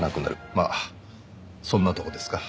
まあそんなとこですか？